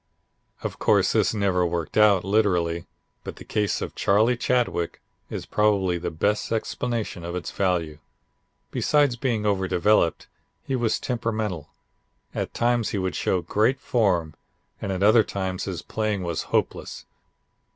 "Of course this never worked out literally, but the case of Charlie Chadwick is probably the best explanation of its value. Besides being overdeveloped, he was temperamental. At times he would show great form and at other times his playing was hopeless.